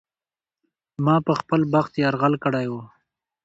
ما په خپل بخت یرغل کړی و.